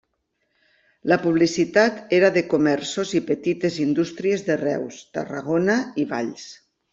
La publicitat era de comerços i petites indústries de Reus, Tarragona i Valls.